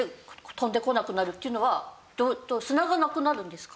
飛んでこなくなるっていうのは砂がなくなるんですか？